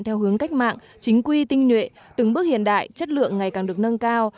theo hướng cách mạng chính quy tinh nhuệ từng bước hiện đại chất lượng ngày càng được nâng cao